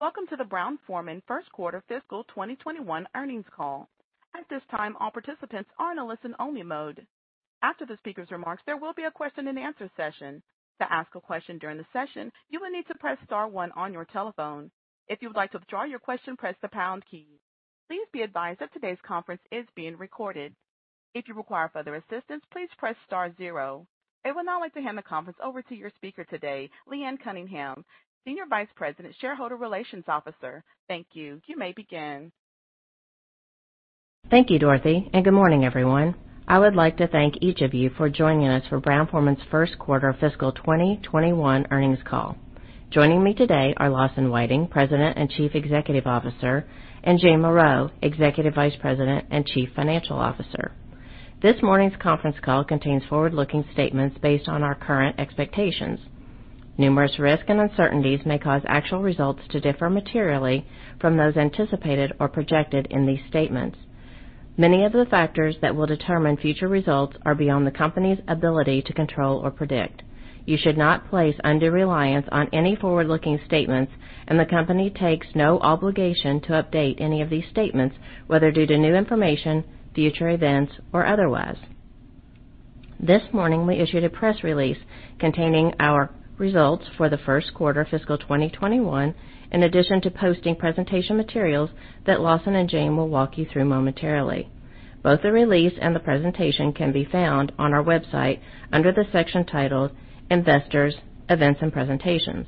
Welcome to the Brown-Forman First Quarter Fiscal 2021 earnings call. At this time, all participants are in a listen-only mode. After the speaker's remarks, there will be a question-and-answer session. To ask a question during the session, you will need to press star one on your telephone. If you would like to withdraw your question, press the pound key. Please be advised that today's conference is being recorded. If you require further assistance, please press star zero. I would now like to hand the conference over to your speaker today, Leanne Cunningham, Senior Vice President, Shareholder Relations Officer. Thank you. You may begin. Thank you, Dorothy. Good morning, everyone. I would like to thank each of you for joining us for Brown-Forman's first quarter fiscal 2021 earnings call. Joining me today are Lawson Whiting, President and Chief Executive Officer, and Jane Morreau, Executive Vice President and Chief Financial Officer. This morning's conference call contains forward-looking statements based on our current expectations. Numerous risks and uncertainties may cause actual results to differ materially from those anticipated or projected in these statements. Many of the factors that will determine future results are beyond the company's ability to control or predict. You should not place undue reliance on any forward-looking statements, and the company takes no obligation to update any of these statements, whether due to new information, future events, or otherwise. This morning, we issued a press release containing our results for the first quarter fiscal 2021, in addition to posting presentation materials that Lawson and Jane will walk you through momentarily. Both the release and the presentation can be found on our website under the section titled Investors, Events and Presentations.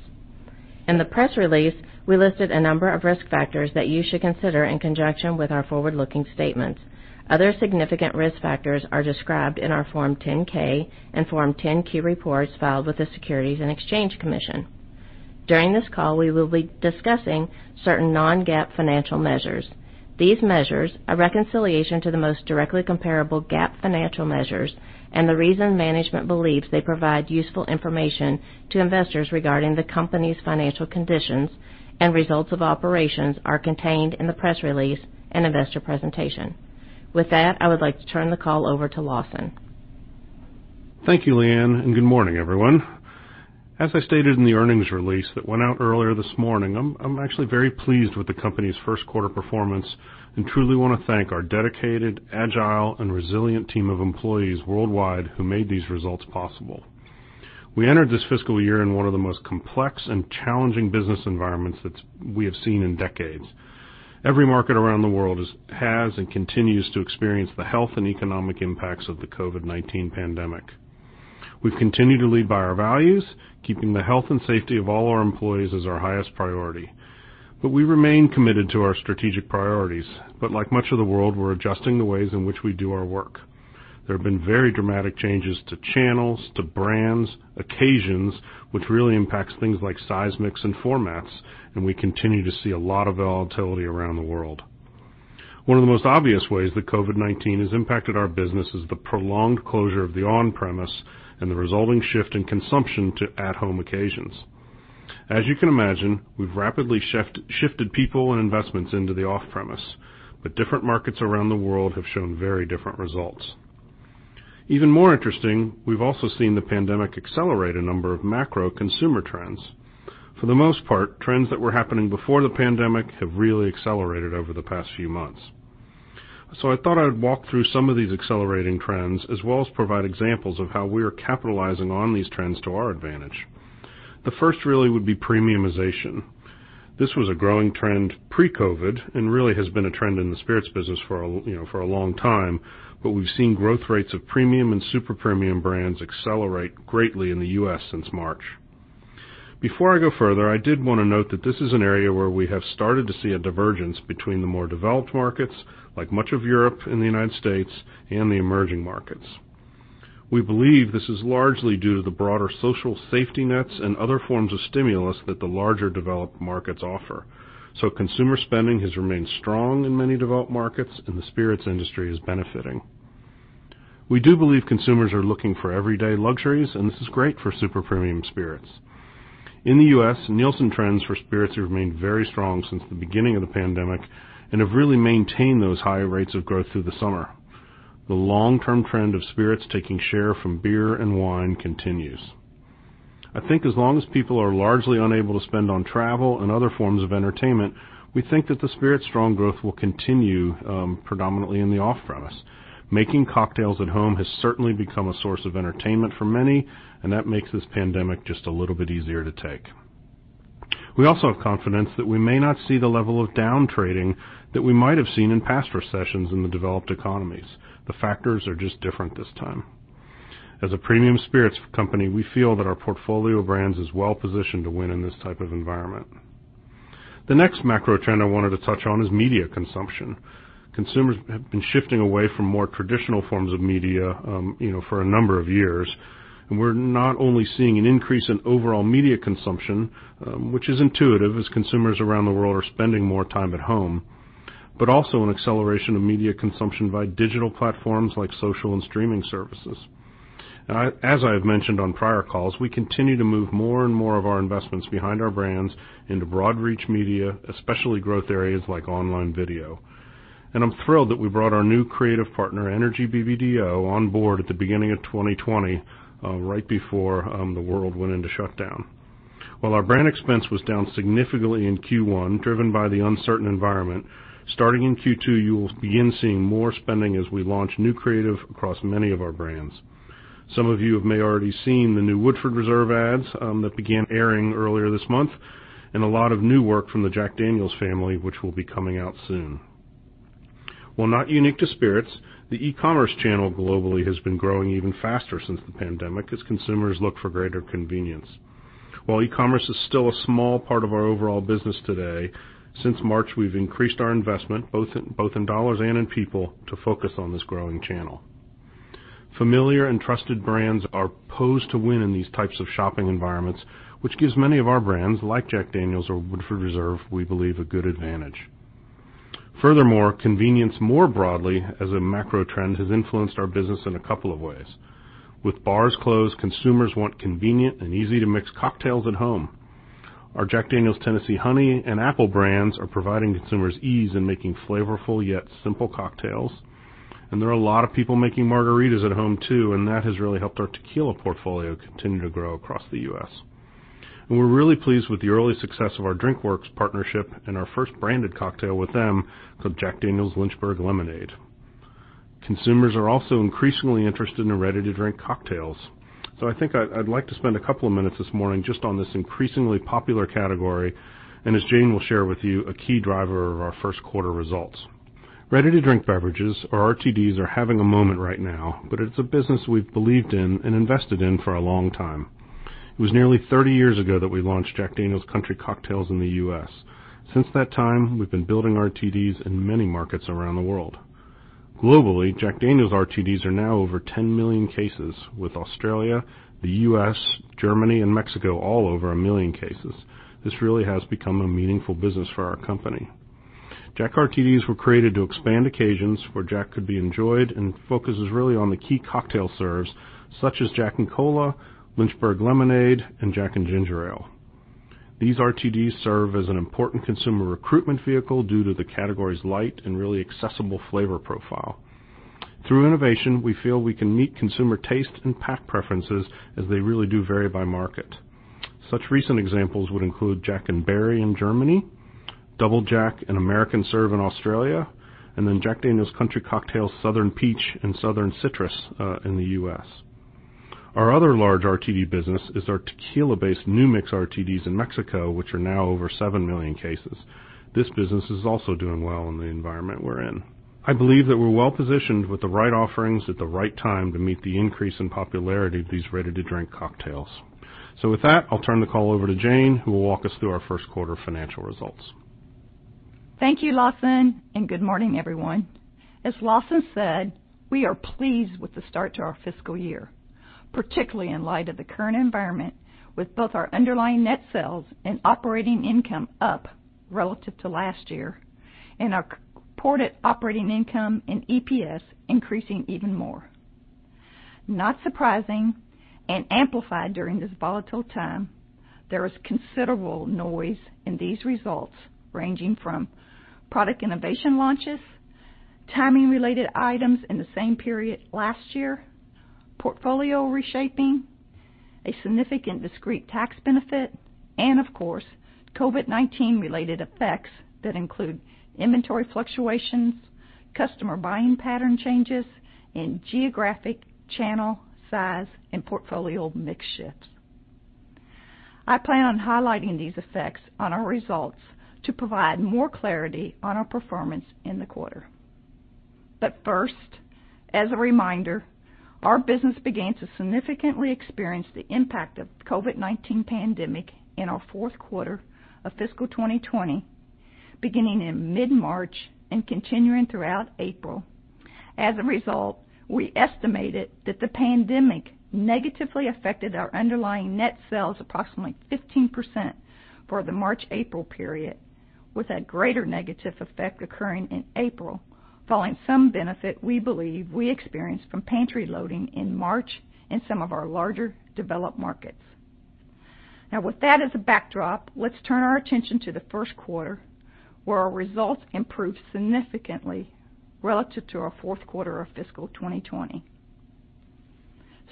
In the press release, we listed a number of risk factors that you should consider in conjunction with our forward-looking statements. Other significant risk factors are described in our Form 10-K and Form 10-Q reports filed with the Securities and Exchange Commission. During this call, we will be discussing certain non-GAAP financial measures. These measures, a reconciliation to the most directly comparable GAAP financial measures, and the reason management believes they provide useful information to investors regarding the company's financial conditions and results of operations, are contained in the press release and investor presentation. With that, I would like to turn the call over to Lawson. Thank you, Leanne, and good morning, everyone. As I stated in the earnings release that went out earlier this morning, I'm actually very pleased with the company's first-quarter performance and truly want to thank our dedicated, agile and resilient team of employees worldwide who made these results possible. We entered this fiscal year in one of the most complex and challenging business environments that we have seen in decades. Every market around the world has and continues to experience the health and economic impacts of the COVID-19 pandemic. We've continued to lead by our values, keeping the health and safety of all our employees as our highest priority. We remain committed to our strategic priorities. Like much of the world, we're adjusting the ways in which we do our work. There have been very dramatic changes to channels, to brands, occasions, which really impacts things like size, mix, and formats. We continue to see a lot of volatility around the world. One of the most obvious ways that COVID-19 has impacted our business is the prolonged closure of the on-premise and the resulting shift in consumption to at-home occasions. As you can imagine, we've rapidly shifted people and investments into the off-premise. Different markets around the world have shown very different results. Even more interesting, we've also seen the pandemic accelerate a number of macro consumer trends. For the most part, trends that were happening before the pandemic have really accelerated over the past few months. I thought I would walk through some of these accelerating trends, as well as provide examples of how we are capitalizing on these trends to our advantage. The first really would be premiumization. This was a growing trend pre-COVID-19, and really has been a trend in the spirits business for a long time. We've seen growth rates of premium and super-premium brands accelerate greatly in the U.S. since March. Before I go further, I did want to note that this is an area where we have started to see a divergence between the more developed markets, like much of Europe and the United States, and the emerging markets. We believe this is largely due to the broader social safety nets and other forms of stimulus that the larger developed markets offer. Consumer spending has remained strong in many developed markets, and the spirits industry is benefiting. We do believe consumers are looking for everyday luxuries, and this is great for super-premium spirits. In the U.S., Nielsen trends for spirits have remained very strong since the beginning of the pandemic and have really maintained those high rates of growth through the summer. The long-term trend of spirits taking share from beer and wine continues. I think as long as people are largely unable to spend on travel and other forms of entertainment, we think that the spirits' strong growth will continue predominantly in the off-premise. Making cocktails at home has certainly become a source of entertainment for many, and that makes this pandemic just a little bit easier to take. We also have confidence that we may not see the level of down trading that we might have seen in past recessions in the developed economies. The factors are just different this time. As a premium spirits company, we feel that our portfolio of brands is well-positioned to win in this type of environment. The next macro trend I wanted to touch on is media consumption. Consumers have been shifting away from more traditional forms of media for a number of years, we're not only seeing an increase in overall media consumption, which is intuitive as consumers around the world are spending more time at home, but also an acceleration of media consumption via digital platforms like social and streaming services. I'm thrilled that we brought our new creative partner, Energy BBDO, on board at the beginning of 2020, right before the world went into shutdown. While our brand expense was down significantly in Q1, driven by the uncertain environment, starting in Q2, you will begin seeing more spending as we launch new creative across many of our brands. Some of you may already have seen the new Woodford Reserve ads that began airing earlier this month, and a lot of new work from the Jack Daniel's family, which will be coming out soon. While not unique to spirits, the e-commerce channel globally has been growing even faster since the pandemic as consumers look for greater convenience. While e-commerce is still a small part of our overall business today, since March, we've increased our investment, both in dollars and in people, to focus on this growing channel. Familiar and trusted brands are posed to win in these types of shopping environments, which gives many of our brands, like Jack Daniel's or Woodford Reserve, we believe, a good advantage. Furthermore, convenience more broadly as a macro trend has influenced our business in a couple of ways. With bars closed, consumers want convenient and easy-to-mix cocktails at home. Our Jack Daniel's Tennessee Honey and Jack Daniel's Tennessee Apple are providing consumers ease in making flavorful yet simple cocktails. There are a lot of people making margaritas at home, too, and that has really helped our tequila portfolio continue to grow across the U.S. We're really pleased with the early success of our Drinkworks partnership and our first branded cocktail with them, called Jack Daniel's Lynchburg Lemonade. Consumers are also increasingly interested in ready-to-drink cocktails. I think I'd like to spend a couple of minutes this morning just on this increasingly popular category, and as Jane will share with you, a key driver of our first quarter results. Ready-to-drink beverages, or RTDs, are having a moment right now, but it's a business we've believed in and invested in for a long time. It was nearly 30 years ago that we launched Jack Daniel's Country Cocktails in the U.S. Since that time, we've been building RTDs in many markets around the world. Globally, Jack Daniel's RTDs are now over 10 million cases, with Australia, the U.S., Germany, and Mexico all over 1 million cases. This really has become a meaningful business for our company. Jack RTDs were created to expand occasions where Jack could be enjoyed. The focus is really on the key cocktail serves, such as Jack and Cola, Lynchburg Lemonade, and Jack and Ginger Ale. These RTDs serve as an important consumer recruitment vehicle due to the category's light and really accessible flavor profile. Through innovation, we feel we can meet consumer taste and pack preferences as they really do vary by market. Such recent examples would include Jack and Berry in Germany, Double Jack, an American Serve, in Australia. Jack Daniel's Country Cocktails Southern Peach and Southern Citrus in the U.S. Our other large RTD business is our tequila-based New Mix RTDs in Mexico, which are now over 7 million cases. This business is also doing well in the environment we're in. I believe that we're well-positioned with the right offerings at the right time to meet the increase in popularity of these ready-to-drink cocktails. With that, I'll turn the call over to Jane, who will walk us through our first quarter financial results. Thank you, Lawson, and good morning, everyone. As Lawson said, we are pleased with the start to our fiscal year, particularly in light of the current environment, with both our underlying net sales and operating income up relative to last year, and our reported operating income and EPS increasing even more. Not surprising, and amplified during this volatile time, there is considerable noise in these results, ranging from product innovation launches, timing-related items in the same period last year, portfolio reshaping, a significant discrete tax benefit, and of course, COVID-19-related effects that include inventory fluctuations, customer buying pattern changes, and geographic, channel, size, and portfolio mix shifts. I plan on highlighting these effects on our results to provide more clarity on our performance in the quarter. First, as a reminder, our business began to significantly experience the impact of the COVID-19 pandemic in our fourth quarter of fiscal 2020, beginning in mid-March and continuing throughout April. As a result, we estimated that the pandemic negatively affected our underlying net sales approximately 15% for the March-April period, with a greater negative effect occurring in April, following some benefit we believe we experienced from pantry loading in March in some of our larger developed markets. With that as a backdrop, let's turn our attention to the first quarter, where our results improved significantly relative to our fourth quarter of fiscal 2020.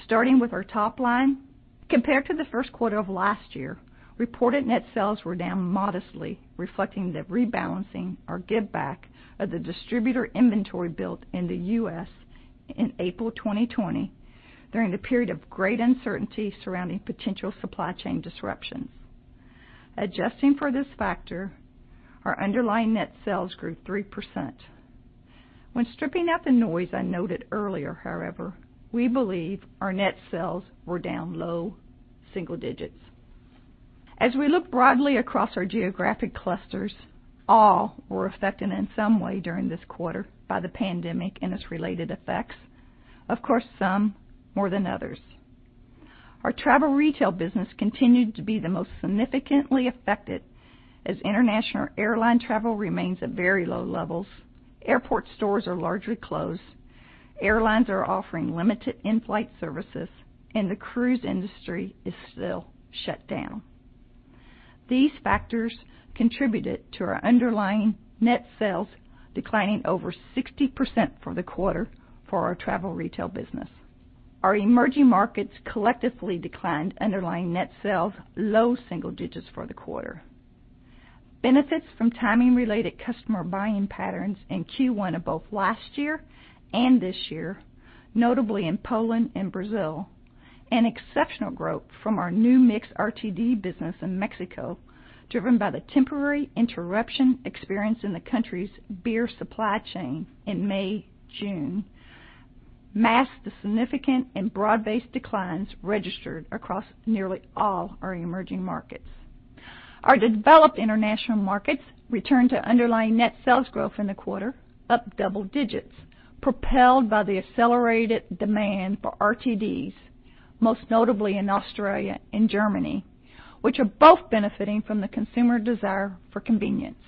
Starting with our top line, compared to the first quarter of last year, reported net sales were down modestly, reflecting the rebalancing or giveback of the distributor inventory built in the U.S. in April 2020 during the period of great uncertainty surrounding potential supply chain disruptions. Adjusting for this factor, our underlying net sales grew 3%. When stripping out the noise I noted earlier, however, we believe our net sales were down low single digits. As we look broadly across our geographic clusters, all were affected in some way during this quarter by the pandemic and its related effects. Of course, some more than others. Our travel retail business continued to be the most significantly affected as international airline travel remains at very low levels. Airport stores are largely closed. Airlines are offering limited in-flight services, and the cruise industry is still shut down. These factors contributed to our underlying net sales declining over 60% for the quarter for our travel retail business. Our emerging markets collectively declined underlying net sales low single digits for the quarter. Benefits from timing related customer buying patterns in Q1 of both last year and this year, notably in Poland and Brazil, and exceptional growth from our New Mix RTD business in Mexico, driven by the temporary interruption experienced in the country's beer supply chain in May, June, masked the significant and broad-based declines registered across nearly all our emerging markets. Our developed international markets returned to underlying net sales growth in the quarter, up double digits, propelled by the accelerated demand for RTDs, most notably in Australia and Germany, which are both benefiting from the consumer desire for convenience.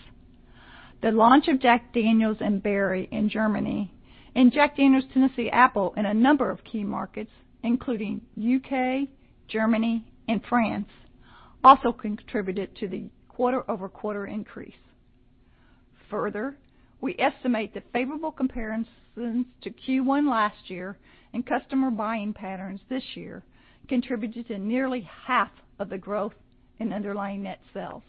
The launch of Jack Daniel's & Berry in Germany, and Jack Daniel's Tennessee Apple in a number of key markets, including U.K., Germany, and France, also contributed to the quarter-over-quarter increase. We estimate the favorable comparisons to Q1 last year and customer buying patterns this year contributed to nearly half of the growth in underlying net sales.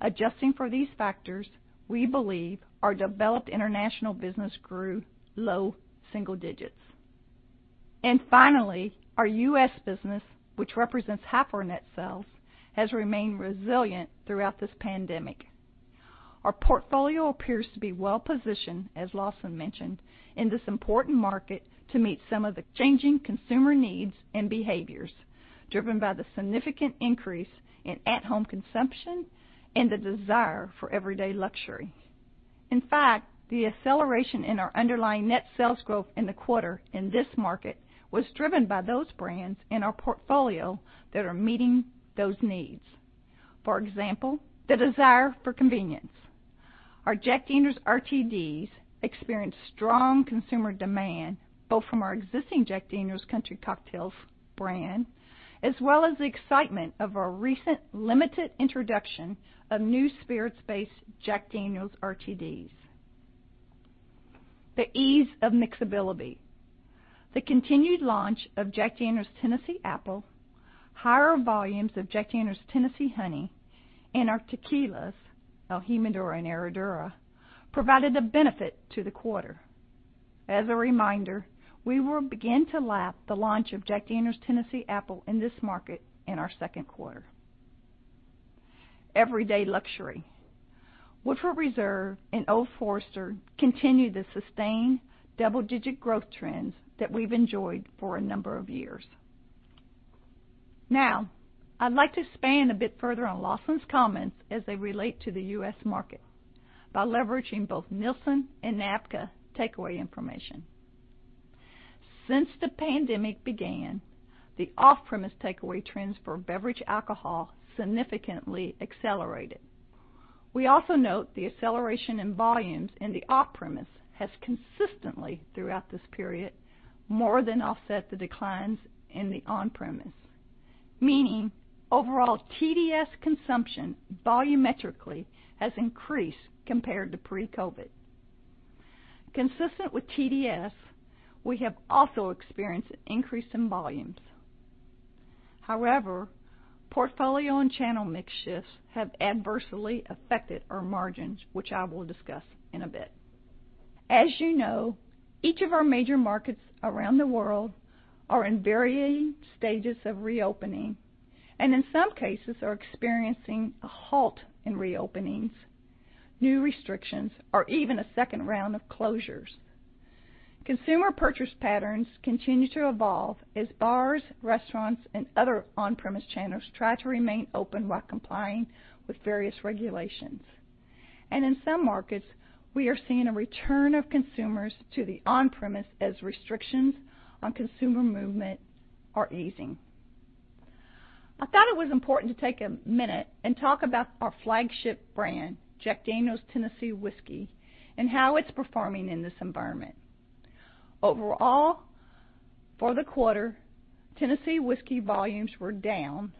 Adjusting for these factors, we believe our developed international business grew low single digits. Finally, our U.S. business, which represents half our net sales, has remained resilient throughout this pandemic. Our portfolio appears to be well-positioned, as Lawson mentioned, in this important market to meet some of the changing consumer needs and behaviors, driven by the significant increase in at-home consumption and the desire for everyday luxury. In fact, the acceleration in our underlying net sales growth in the quarter in this market was driven by those brands in our portfolio that are meeting those needs. For example, the desire for convenience. Our Jack Daniel's RTDs experienced strong consumer demand, both from our existing Jack Daniel's Country Cocktails brand, as well as the excitement of our recent limited introduction of new spirits-based Jack Daniel's RTDs. The ease of mixability. The continued launch of Jack Daniel's Tennessee Apple, higher volumes of Jack Daniel's Tennessee Honey, and our tequilas, el Jimador and Herradura, provided a benefit to the quarter. As a reminder, we will begin to lap the launch of Jack Daniel's Tennessee Apple in this market in our second quarter. Everyday luxury. Woodford Reserve and Old Forester continue the sustained double-digit growth trends that we've enjoyed for a number of years. Now, I'd like to expand a bit further on Lawson's comments as they relate to the U.S. market by leveraging both Nielsen and NABCA takeaway information. Since the pandemic began, the off-premise takeaway trends for beverage alcohol significantly accelerated. We also note the acceleration in volumes in the off-premise has consistently, throughout this period, more than offset the declines in the on-premise, meaning overall TDS consumption volumetrically has increased compared to pre-COVID. Consistent with TDS, we have also experienced an increase in volumes. However, portfolio and channel mix shifts have adversely affected our margins, which I will discuss in a bit. As you know, each of our major markets around the world are in varying stages of reopening, and in some cases are experiencing a halt in reopenings, new restrictions, or even a second round of closures. Consumer purchase patterns continue to evolve as bars, restaurants, and other on-premise channels try to remain open while complying with various regulations. In some markets, we are seeing a return of consumers to the on-premise as restrictions on consumer movement are easing. I thought it was important to take one minute and talk about our flagship brand, Jack Daniel's Tennessee Whiskey, and how it's performing in this environment. Overall, for the quarter, Tennessee Whiskey volumes were down,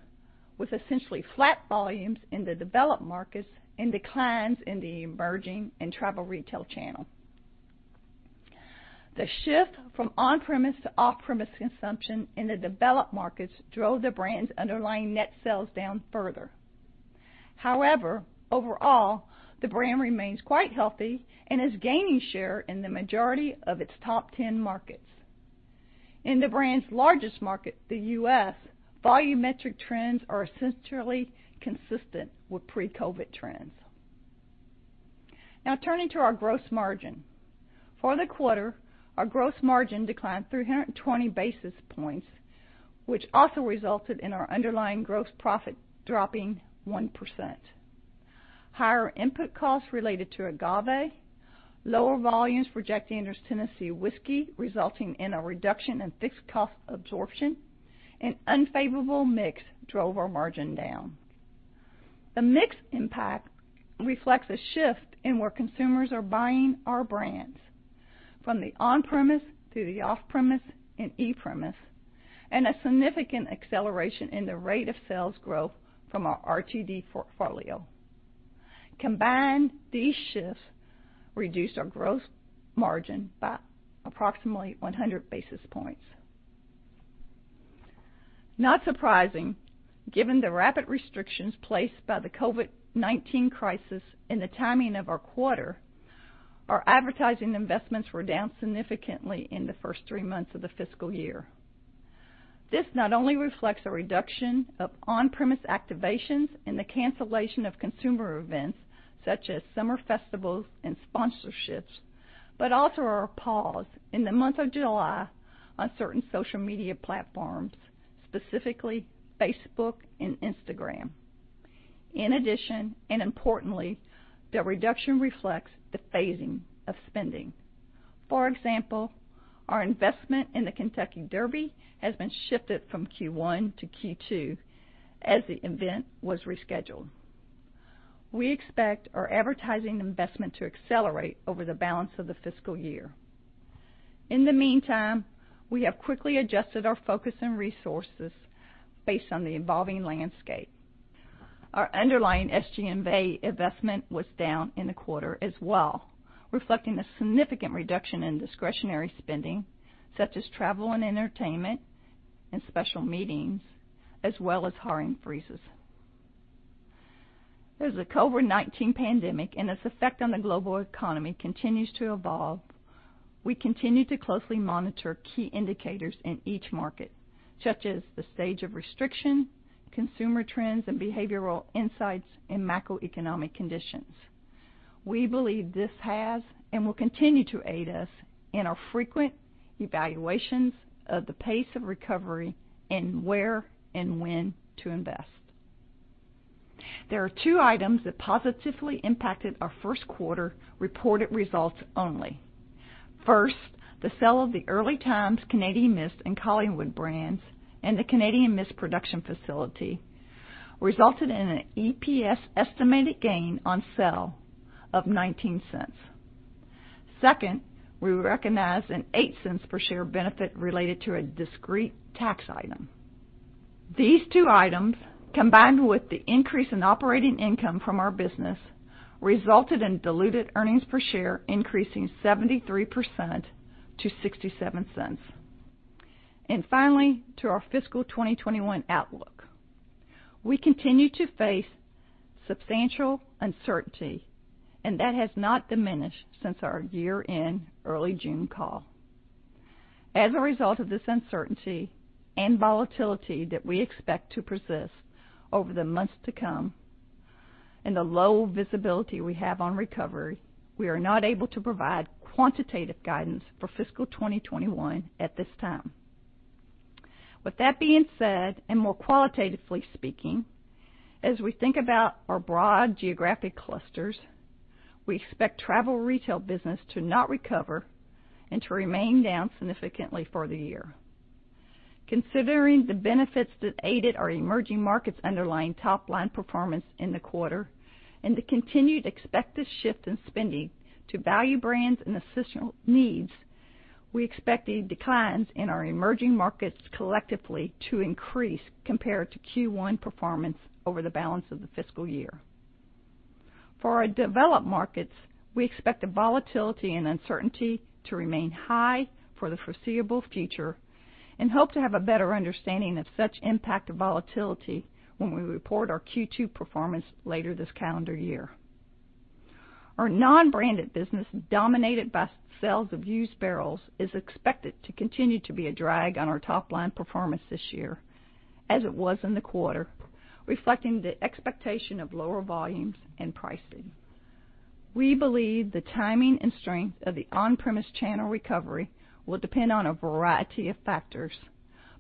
with essentially flat volumes in the developed markets and declines in the emerging and travel retail channel. The shift from on-premise to off-premise consumption in the developed markets drove the brand's underlying net sales down further. Overall, the brand remains quite healthy and is gaining share in the majority of its top 10 markets. In the brand's largest market, the U.S., volumetric trends are essentially consistent with pre-COVID-19 trends. Now turning to our gross margin. For the quarter, our gross margin declined 320 basis points, which also resulted in our underlying gross profit dropping 1%. Higher input costs related to agave, lower volumes for Jack Daniel's Tennessee Whiskey, resulting in a reduction in fixed cost absorption, and unfavorable mix drove our margin down. The mix impact reflects a shift in where consumers are buying our brands. From the on-premise to the off-premise and e-premise, and a significant acceleration in the rate of sales growth from our RTD portfolio. Combined, these shifts reduced our gross margin by approximately 100 basis points. Not surprising, given the rapid restrictions placed by the COVID-19 crisis and the timing of our quarter, our advertising investments were down significantly in the first three months of the fiscal year. This not only reflects a reduction of on-premise activations and the cancellation of consumer events such as summer festivals and sponsorships, but also our pause in the month of July on certain social media platforms, specifically Facebook and Instagram. In addition, and importantly, the reduction reflects the phasing of spending. For example, our investment in the Kentucky Derby has been shifted from Q1 to Q2 as the event was rescheduled. We expect our advertising investment to accelerate over the balance of the fiscal year. In the meantime, we have quickly adjusted our focus and resources based on the evolving landscape. Our underlying SG&A investment was down in the quarter as well, reflecting a significant reduction in discretionary spending such as travel and entertainment and special meetings, as well as hiring freezes. As the COVID-19 pandemic and its effect on the global economy continues to evolve, we continue to closely monitor key indicators in each market, such as the stage of restriction, consumer trends, and behavioral insights and macroeconomic conditions. We believe this has and will continue to aid us in our frequent evaluations of the pace of recovery and where and when to invest. There are two items that positively impacted our first quarter reported results only. First, the sale of the Early Times, Canadian Mist, and Collingwood brands, and the Canadian Mist production facility resulted in an EPS estimated gain on sale of $0.19. Second, we recognized an $0.08 per share benefit related to a discrete tax item. These two items, combined with the increase in operating income from our business, resulted in diluted earnings per share increasing 73% to $0.67. Finally, to our fiscal 2021 outlook. We continue to face substantial uncertainty, and that has not diminished since our year-end early June call. As a result of this uncertainty and volatility that we expect to persist over the months to come, and the low visibility we have on recovery, we are not able to provide quantitative guidance for fiscal 2021 at this time. With that being said, and more qualitatively speaking, as we think about our broad geographic clusters, we expect travel retail business to not recover and to remain down significantly for the year. Considering the benefits that aided our emerging markets' underlying top-line performance in the quarter and the continued expected shift in spending to value brands and essential needs, we expect the declines in our emerging markets collectively to increase compared to Q1 performance over the balance of the fiscal year. For our developed markets, we expect the volatility and uncertainty to remain high for the foreseeable future and hope to have a better understanding of such impact of volatility when we report our Q2 performance later this calendar year. Our non-branded business, dominated by sales of used barrels, is expected to continue to be a drag on our top-line performance this year, as it was in the quarter, reflecting the expectation of lower volumes and pricing. We believe the timing and strength of the on-premise channel recovery will depend on a variety of factors,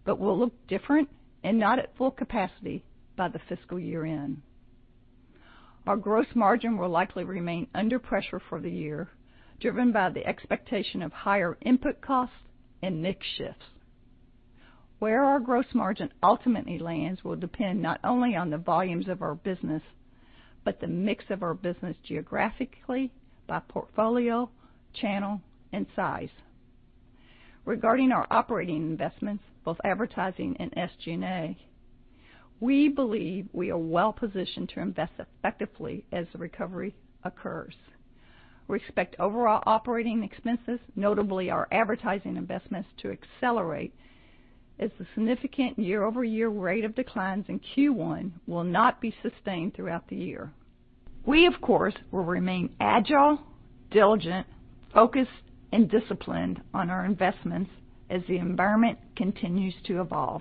but will look different and not at full capacity by the fiscal year-end. Our gross margin will likely remain under pressure for the year, driven by the expectation of higher input costs and mix shifts. Where our gross margin ultimately lands will depend not only on the volumes of our business, but the mix of our business geographically, by portfolio, channel, and size. Regarding our operating investments, both advertising and SG&A, we believe we are well positioned to invest effectively as the recovery occurs. We expect overall operating expenses, notably our advertising investments, to accelerate as the significant year-over-year rate of declines in Q1 will not be sustained throughout the year. We, of course, will remain agile, diligent, focused, and disciplined on our investments as the environment continues to evolve.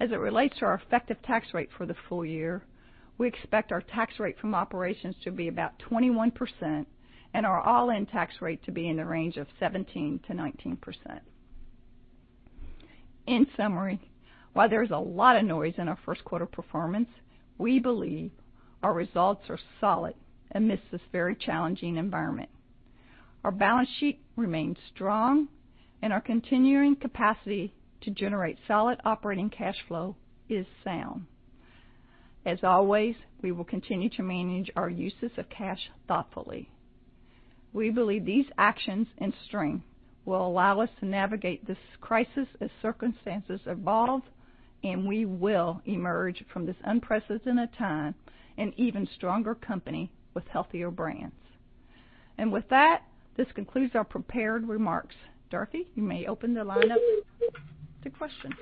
As it relates to our effective tax rate for the full year, we expect our tax rate from operations to be about 21% and our all-in tax rate to be in the range of 17%-19%. In summary, while there's a lot of noise in our first quarter performance, we believe our results are solid amidst this very challenging environment. Our balance sheet remains strong and our continuing capacity to generate solid operating cash flow is sound. As always, we will continue to manage our uses of cash thoughtfully. We believe these actions and strength will allow us to navigate this crisis as circumstances evolve, and we will emerge from this unprecedented time an even stronger company with healthier brands. With that, this concludes our prepared remarks. Dorothy, you may open the line up to questions.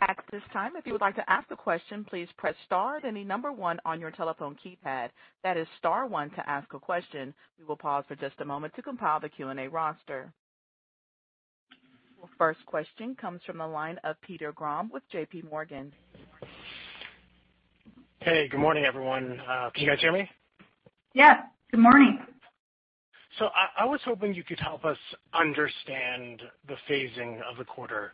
At this time, if you would like to ask a question, please press star, then the number one on your telephone keypad. That is star one to ask a question. We will pause for just a moment to compile the Q&A roster. Your first question comes from the line of Peter Grom with JPMorgan. Hey, good morning, everyone. Can you guys hear me? Yes. Good morning. I was hoping you could help us understand the phasing of the quarter.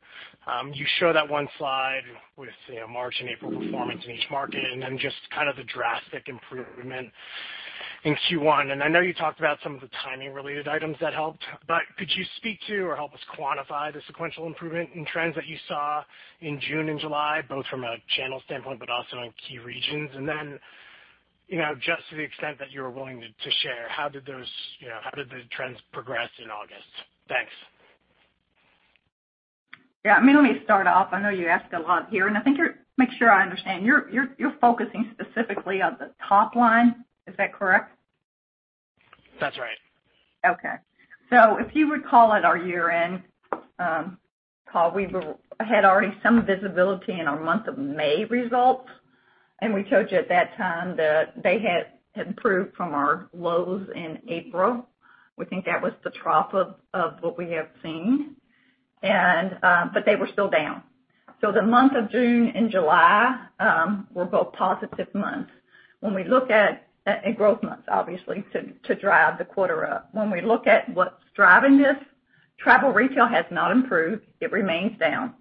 You show that one slide with March and April performance in each market, then just kind of the drastic improvement in Q1. I know you talked about some of the timing related items that helped, but could you speak to or help us quantify the sequential improvement in trends that you saw in June and July, both from a channel standpoint, but also in key regions? Then, just to the extent that you're willing to share, how did the trends progress in August? Thanks. Yeah, let me start off. I know you asked a lot here, and I think make sure I understand. You're focusing specifically on the top line, is that correct? That's right. If you recall at our year-end call, we had already some visibility in our month of May results, and we told you at that time that they had improved from our lows in April. We think that was the trough of what we have seen. They were still down. The month of June and July were both positive months. Growth months, obviously, to drive the quarter up. When we look at what's driving this, travel retail has not improved. It remains down.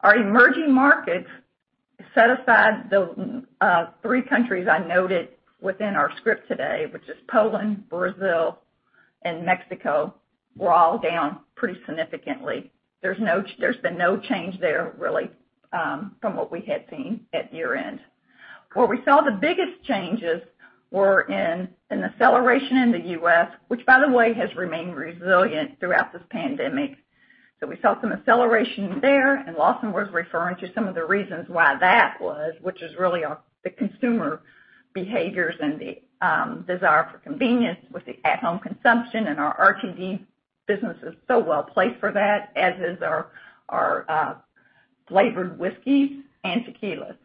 Our emerging markets, set aside the three countries I noted within our script today, which is Poland, Brazil, and Mexico, were all down pretty significantly. There's been no change there really, from what we had seen at year-end. Where we saw the biggest changes were in an acceleration in the U.S., which by the way, has remained resilient throughout this pandemic. We saw some acceleration there, and Lawson was referring to some of the reasons why that was, which is really the consumer behaviors and the desire for convenience with the at-home consumption and our RTD business is so well-placed for that, as is our flavored whiskey and tequilas.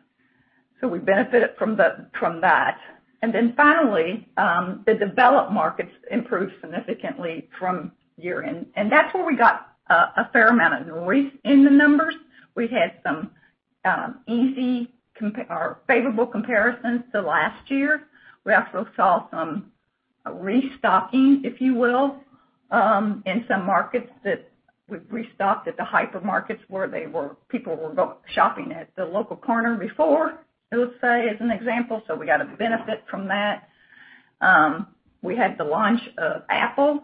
We benefited from that. Then finally, the developed markets improved significantly from year-end. That's where we got a fair amount of noise in the numbers. We had some easy or favorable comparisons to last year. We also saw some restocking, if you will, in some markets that we've restocked at the hypermarkets where people were shopping at the local corner before, let's say, as an example. We got a benefit from that. We had the launch of Jack Daniel's Tennessee Apple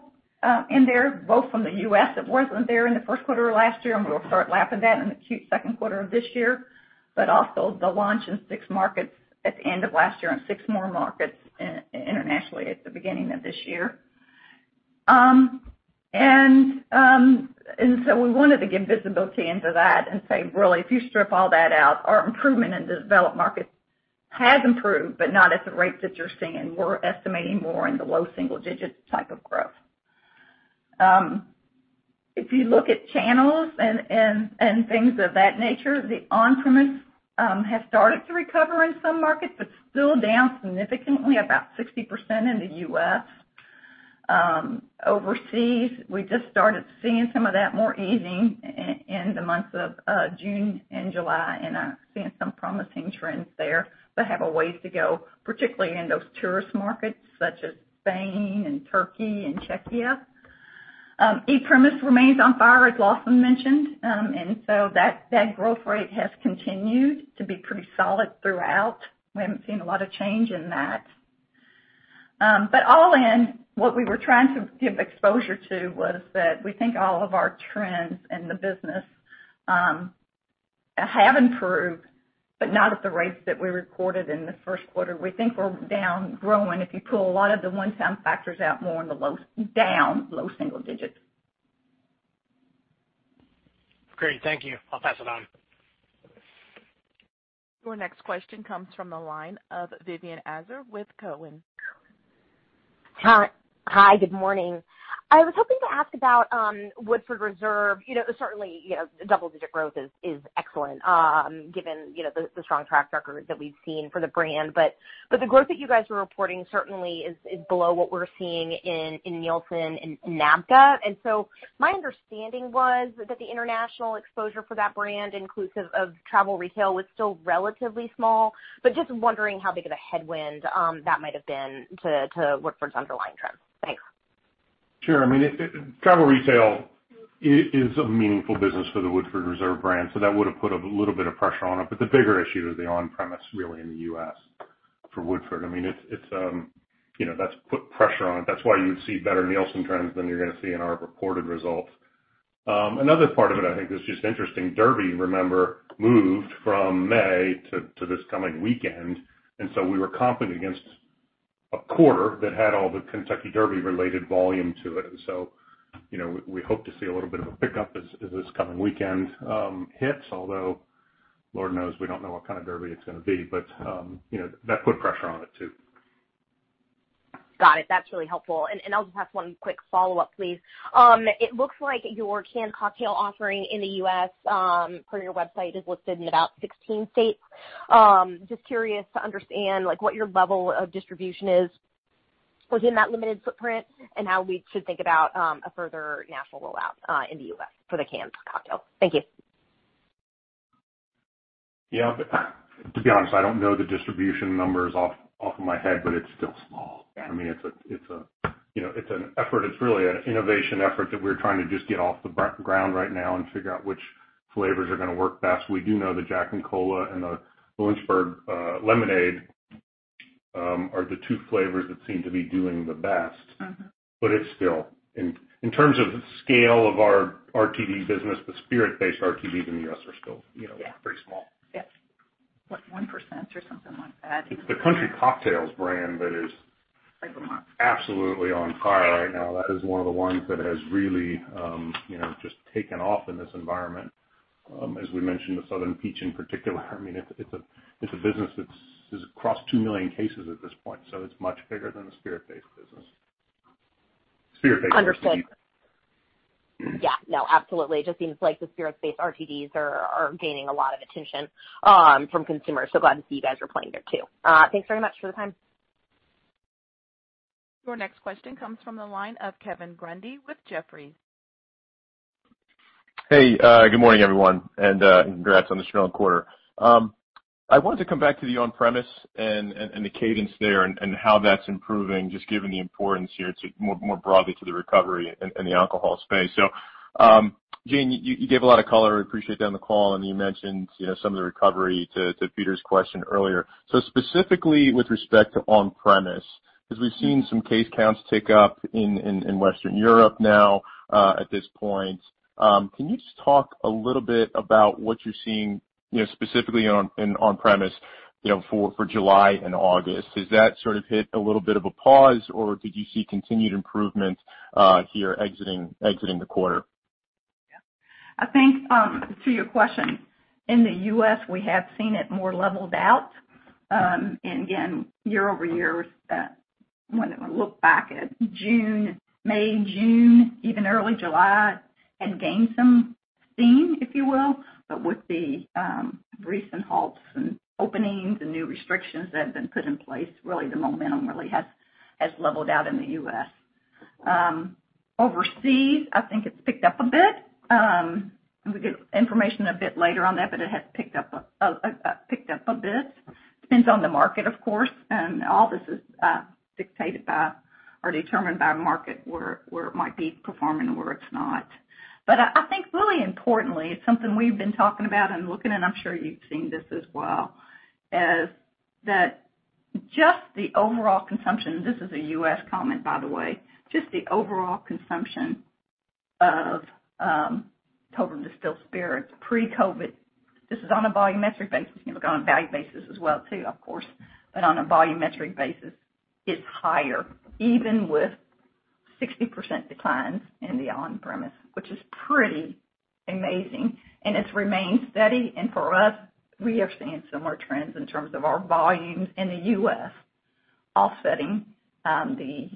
in there, both from the U.S. that wasn't there in the first quarter of last year, and we'll start lapping that in the second quarter of this year. Also the launch in six markets at the end of last year and six more markets internationally at the beginning of this year. We wanted to give visibility into that and say, really, if you strip all that out, our improvement in developed markets has improved, but not at the rates that you're seeing. We're estimating more in the low single digits type of growth. If you look at channels and things of that nature, the on-premise has started to recover in some markets, but still down significantly, about 60% in the U.S. Overseas, we just started seeing some of that more easing in the months of June and July, and are seeing some promising trends there, but have a ways to go, particularly in those tourist markets such as Spain and Turkey and Czechia. E-premise remains on fire, as Lawson mentioned. That growth rate has continued to be pretty solid throughout. We haven't seen a lot of change in that. All in, what we were trying to give exposure to was that we think all of our trends in the business have improved, but not at the rates that we recorded in the first quarter. We think we're down growing, if you pull a lot of the one-time factors out more in the low down, low single digits. Great. Thank you. I'll pass it on. Your next question comes from the line of Vivien Azer with Cowen. Hi. Good morning. I was hoping to ask about Woodford Reserve. Certainly, double-digit growth is excellent, given the strong track record that we've seen for the brand. The growth that you guys are reporting certainly is below what we're seeing in Nielsen and NABCA. My understanding was that the international exposure for that brand inclusive of travel retail was still relatively small, but just wondering how big of a headwind that might have been to Woodford's underlying trends. Thanks. Sure. Travel retail is a meaningful business for the Woodford Reserve brand, so that would have put a little bit of pressure on it. The bigger issue is the on-premise really in the U.S. for Woodford. That's put pressure on it. That's why you would see better Nielsen trends than you're going to see in our reported results. Another part of it, I think that's just interesting. Derby, remember, moved from May to this coming weekend, and so we were competing against a quarter that had all the Kentucky Derby related volume to it. We hope to see a little bit of a pickup as this coming weekend hits. Although, Lord knows we don't know what kind of Derby it's going to be. That put pressure on it, too. Got it. That is really helpful. I also have one quick follow-up, please. It looks like your canned cocktail offering in the U.S., per your website, is listed in about 16 states. Just curious to understand what your level of distribution is within that limited footprint, and how we should think about a further national rollout in the U.S. for the canned cocktail. Thank you. Yeah. To be honest, I don't know the distribution numbers off of my head, but it's still small. Yeah. For me, it's an effort. It's really an innovation effort that we're trying to just get off the ground right now and figure out which flavors are going to work best. We do know the Jack and Cola and the Lynchburg Lemonade are the two flavors that seem to be doing the best. In terms of the scale of our RTD business, the spirit-based RTDs in the U.S. are still pretty small. Yeah. Like 1% or something like that. It's the Country Cocktails brand that is absolutely on fire right now. That is one of the ones that has really just taken off in this environment. As we mentioned, the Southern Peach in particular. It's a business that's across 2 million cases at this point, so it's much bigger than the spirit-based business. Spirit-based RTD. Understood. Yeah, no, absolutely. It just seems like the spirit-based RTDs are gaining a lot of attention from consumers. Glad to see you guys are playing there, too. Thanks very much for the time. Your next question comes from the line of Kevin Grundy with Jefferies. Good morning, everyone, and congrats on the strong quarter. I wanted to come back to the on-premise and the cadence there and how that's improving, just given the importance here to, more broadly, to the recovery in the alcohol space. Jane, you gave a lot of color. I appreciate that on the call, and you mentioned some of the recovery to Peter's question earlier. Specifically with respect to on-premise, because we've seen some case counts tick up in Western Europe now, at this point. Can you just talk a little bit about what you're seeing specifically in on-premise for July and August? Has that sort of hit a little bit of a pause, or did you see continued improvement here exiting the quarter? Yeah. I think, to your question, in the U.S., we have seen it more leveled out. Again, year-over-year, when we look back at June, May, June, even early July, had gained some steam, if you will. With the recent halts and openings and new restrictions that have been put in place, really the momentum really has leveled out in the U.S. Overseas, I think it's picked up a bit. We'll give information a bit later on that, but it has picked up a bit. Depends on the market, of course, and all this is dictated by or determined by market, where it might be performing or where it's not. I think really importantly, it's something we've been talking about and looking at, I'm sure you've seen this as well, is that just the overall consumption, this is a U.S. comment, by the way. Just the overall consumption of total distilled spirits pre-COVID. This is on a volumetric basis. You can look on a value basis as well too, of course. On a volumetric basis, it's higher, even with 60% declines in the on-premise, which is pretty amazing, and it's remained steady. For us, we are seeing similar trends in terms of our volumes in the U.S. offsetting the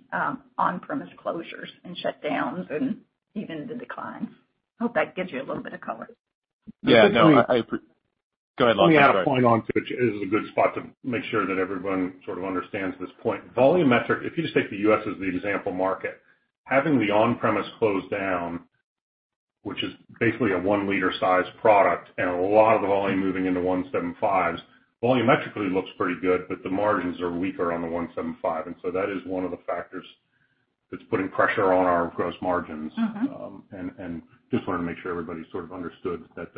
on-premise closures and shutdowns and even the declines. I hope that gives you a little bit of color. Yeah, no, Go ahead, Lawson. Sorry. Let me add a point on, which is a good spot to make sure that everyone sort of understands this point. Volumetric, if you just take the U.S. as the example market, having the on-premise closed down, which is basically a one-liter size product, and a lot of the volume moving into 175s, volumetrically looks pretty good, but the margins are weaker on the 175. That is one of the factors that's putting pressure on our gross margins. Just wanted to make sure everybody sort of understood that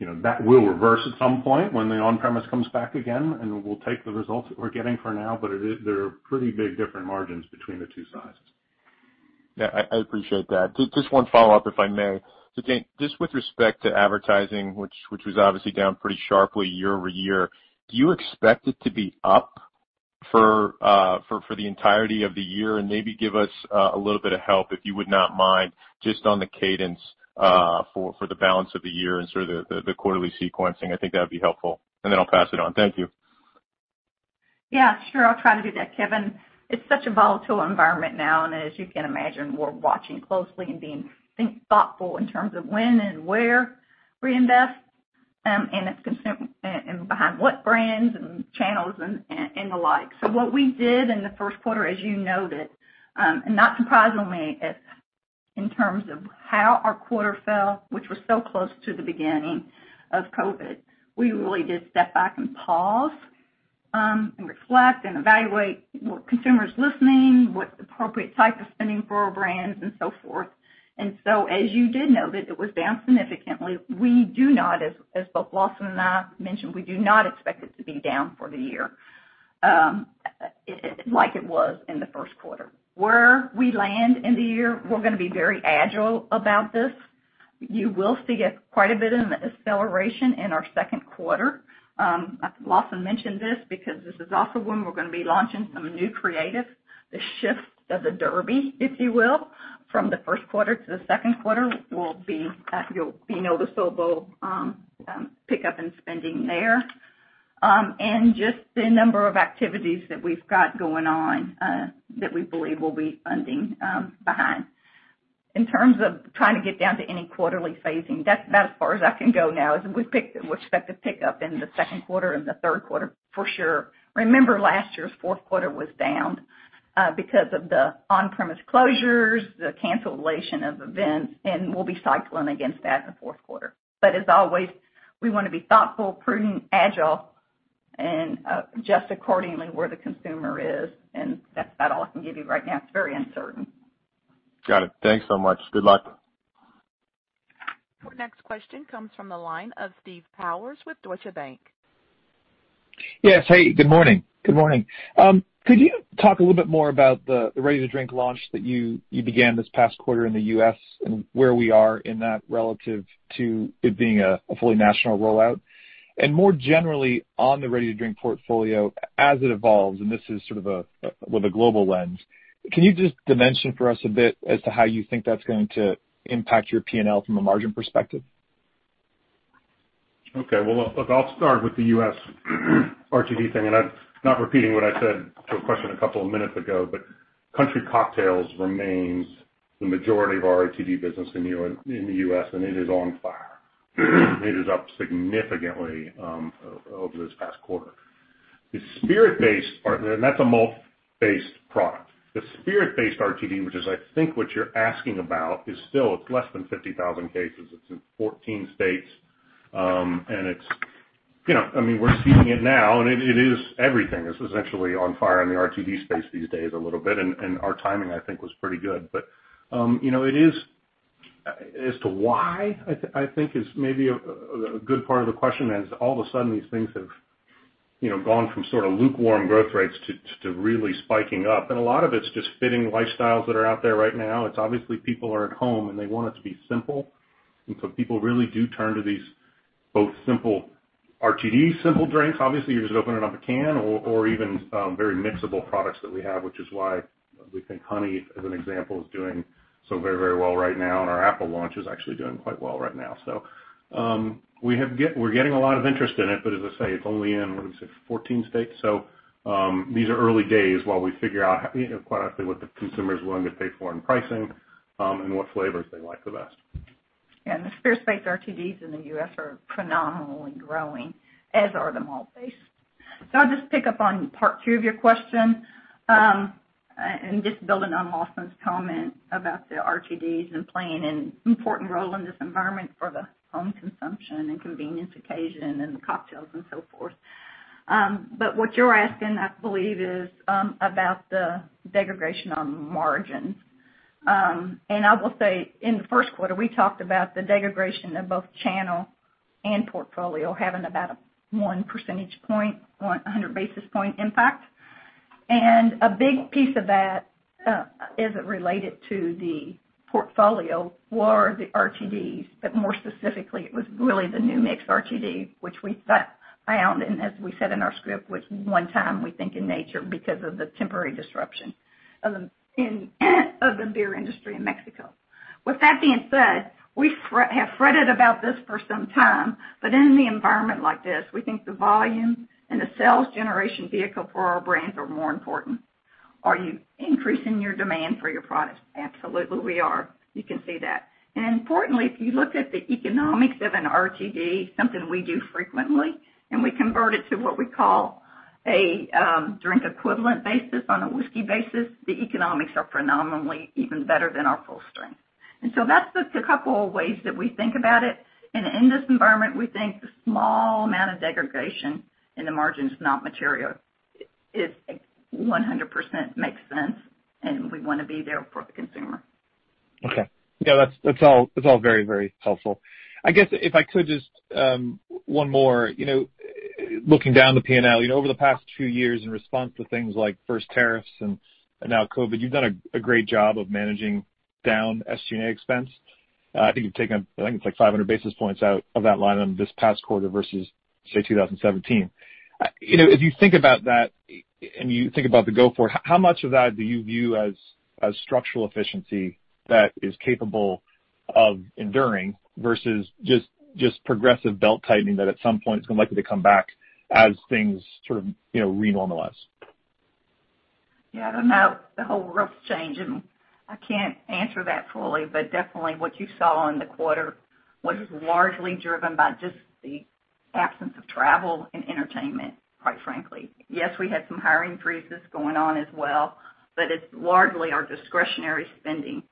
that will reverse at some point when the on-premise comes back again, and we'll take the results that we're getting for now, but there are pretty big different margins between the two sizes. Yeah, I appreciate that. Just one follow-up, if I may. Jane, just with respect to advertising, which was obviously down pretty sharply year-over-year, do you expect it to be up for the entirety of the year? Maybe give us a little bit of help, if you would not mind, just on the cadence for the balance of the year and sort of the quarterly sequencing. I think that would be helpful. Then I'll pass it on. Thank you. Yeah, sure. I'll try to do that, Kevin. It's such a volatile environment now, and as you can imagine, we're watching closely and being thoughtful in terms of when and where we invest, and behind what brands and channels and the like. What we did in the first quarter, as you noted, and not surprisingly, in terms of how our quarter fell, which was so close to the beginning of COVID, we really did step back and pause, and reflect and evaluate, were consumers listening? What's the appropriate type of spending for our brands and so forth. As you did note that it was down significantly. We do not, as both Lawson and I mentioned, we do not expect it to be down for the year. Okay. Like it was in the first quarter. Where we land in the year, we're going to be very agile about this. You will see quite a bit in the acceleration in our second quarter. Lawson mentioned this because this is also when we're going to be launching some new creative, the shift of the Derby, if you will, from the first quarter to the second quarter will be a noticeable pickup in spending there. Just the number of activities that we've got going on, that we believe will be funding behind. In terms of trying to get down to any quarterly phasing, that's about as far as I can go now, is we expect a pickup in the second quarter and the third quarter for sure. Remember, last year's fourth quarter was down because of the on-premise closures, the cancellation of events, and we'll be cycling against that in the fourth quarter. As always, we want to be thoughtful, prudent, agile, and adjust accordingly where the consumer is, and that's about all I can give you right now. It's very uncertain. Got it. Thanks so much. Good luck. Our next question comes from the line of Steve Powers with Deutsche Bank. Yes. Hey, good morning. Could you talk a little bit more about the ready-to-drink launch that you began this past quarter in the U.S., and where we are in that relative to it being a fully national rollout? More generally, on the ready-to-drink portfolio, as it evolves, and this is sort of with a global lens, can you just dimension for us a bit as to how you think that's going to impact your P&L from a margin perspective? Okay. Well, look, I'll start with the U.S. RTD thing. I'm not repeating what I said to a question a couple of minutes ago. Country Cocktails remains the majority of our RTD business in the U.S. It is on fire. It is up significantly over this past quarter. That's a malt-based product. The spirit-based RTD, which is I think what you're asking about, is still, it's less than 50,000 cases. It's in 14 states. We're seeing it now. Everything is essentially on fire in the RTD space these days a little bit. Our timing, I think, was pretty good. As to why, I think is maybe a good part of the question, as all of a sudden these things have gone from sort of lukewarm growth rates to really spiking up. A lot of it's just fitting lifestyles that are out there right now. It's obviously people are at home, and they want it to be simple. People really do turn to these both simple RTD simple drinks, obviously. You just open it up a can or even very mixable products that we have, which is why we think Honey, as an example, is doing so very well right now. Our Apple launch is actually doing quite well right now. We're getting a lot of interest in it, but as I say, it's only in, what is it, 14 states. These are early days while we figure out quite honestly what the consumer's willing to pay for in pricing, and what flavors they like the best. Yeah. The spirit-based RTDs in the U.S. are phenomenally growing, as are the malt-based. I'll just pick up on part two of your question, and just building on Lawson's comment about the RTDs and playing an important role in this environment for the home consumption and convenience occasion and the cocktails and so forth. What you're asking, I believe, is about the degradation on the margin. I will say, in the first quarter, we talked about the degradation of both channel and portfolio having about a one percentage point, 100 basis point impact. A big piece of that isn't related to the portfolio or the RTDs, but more specifically, it was really the New Mix RTD, which we found, and as we said in our script, was one-time, we think, in nature because of the temporary disruption of the beer industry in Mexico. With that being said, we have fretted about this for some time, in the environment like this, we think the volume and the sales generation vehicle for our brands are more important. Are you increasing your demand for your product? Absolutely we are. You can see that. Importantly, if you look at the economics of an RTD, something we do frequently, and we convert it to what we call a drink equivalent basis on a whiskey basis, the economics are phenomenally even better than our full strength. That's just a couple of ways that we think about it. In this environment, we think the small amount of degradation in the margin is not material. It 100% makes sense, and we want to be there for the consumer. Okay. Yeah, that's all very helpful. I guess if I could just, one more. Looking down the P&L, over the past two years in response to things like first tariffs and now COVID, you've done a great job of managing down SG&A expense. I think you've taken, it's like 500 basis points out of that line item this past quarter versus, say, 2017. If you think about that and you think about the go-forward, how much of that do you view as structural efficiency that is capable of enduring versus just progressive belt-tightening that at some point it's going to likely to come back as things sort of re-normalize? I don't know the whole rough change, and I can't answer that fully, but definitely what you saw in the quarter was largely driven by just the absence of travel and entertainment, quite frankly. Yes, we had some hiring freezes going on as well, but it's largely our discretionary spending.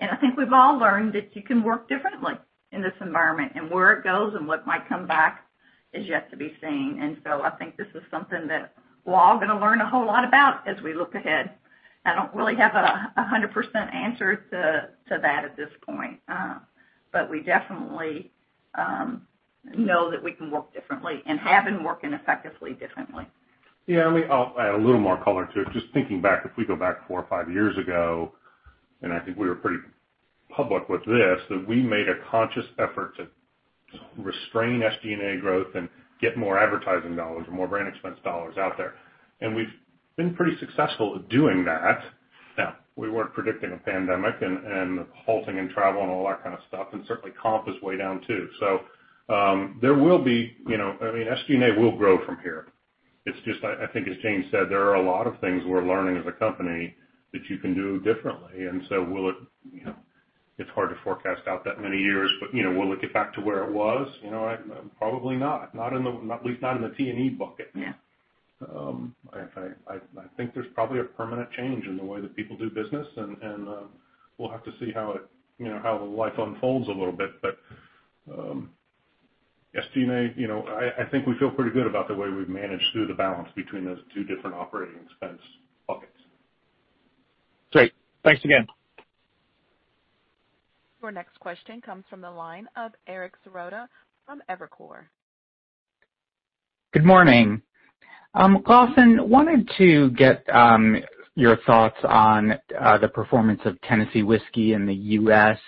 I think we've all learned that you can work differently in this environment, and where it goes and what might come back is yet to be seen. I think this is something that we're all going to learn a whole lot about as we look ahead. I don't really have a 100% answer to that at this point. We definitely know that we can work differently and have been working effectively differently. Yeah. Let me add a little more color to it. Just thinking back, if we go back four or five years ago, I think we were pretty public with this, that we made a conscious effort to restrain SG&A growth and get more advertising dollars or more brand expense dollars out there. We've been pretty successful at doing that. Now, we weren't predicting a pandemic and the halting in travel and all that kind of stuff, certainly comp is way down, too. SG&A will grow from here. It's just, I think as Jane said, there are a lot of things we're learning as a company that you can do differently. It's hard to forecast out that many years, will it get back to where it was? Probably not. At least not in the T&E bucket. Yeah. I think there's probably a permanent change in the way that people do business, and we'll have to see how life unfolds a little bit. SG&A, I think we feel pretty good about the way we've managed through the balance between those two different operating expense buckets. Great. Thanks again. Your next question comes from the line of Eric Serotta from Evercore. Good morning. Lawson, wanted to get your thoughts on the performance of Tennessee Whiskey in the U.S.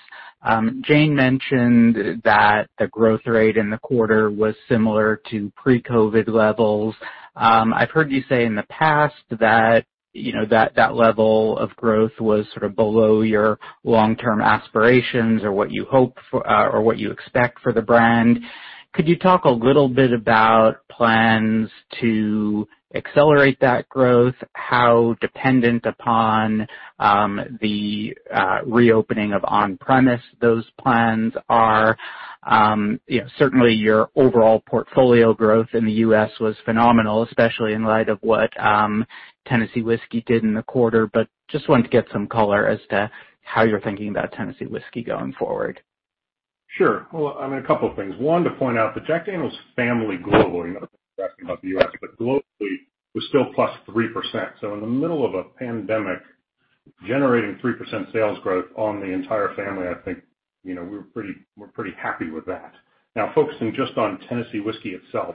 Jane mentioned that the growth rate in the quarter was similar to pre-COVID-19 levels. I've heard you say in the past that that level of growth was sort of below your long-term aspirations or what you hope for or what you expect for the brand. Could you talk a little bit about plans to accelerate that growth? How dependent upon the reopening of on-premise those plans are? Certainly your overall portfolio growth in the U.S. was phenomenal, especially in light of what Tennessee Whiskey did in the quarter. Just wanted to get some color as to how you're thinking about Tennessee Whiskey going forward. Sure. Well, a couple of things. One, to point out that Jack Daniel's family global, you're not necessarily asking about the U.S., but globally was still +3%. In the middle of a pandemic, generating 3% sales growth on the entire family, I think we're pretty happy with that. Focusing just on Tennessee Whiskey itself,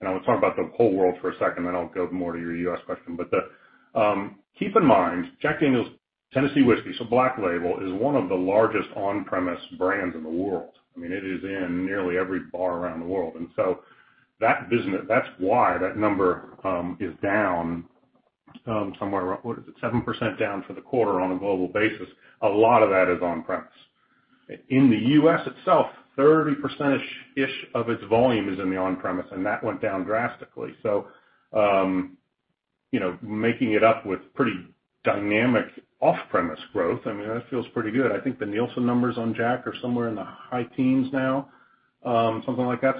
and I want to talk about the whole world for a second, then I'll go more to your U.S. question. Keep in mind, Jack Daniel's Tennessee Whiskey, so Black Label, is one of the largest on-premise brands in the world. It is in nearly every bar around the world. That business, that's why that number is down somewhere around, what is it, 7% down for the quarter on a global basis. A lot of that is on-premise. In the U.S. itself, 30%-ish of its volume is in the on-premise. That went down drastically. Making it up with pretty dynamic off-premise growth, that feels pretty good. I think the Nielsen numbers on Jack are somewhere in the high teens now. Something like that.